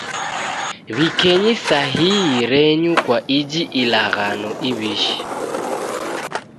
W'ikenyi sahii renyu kwa iji ilaghano iw'ishi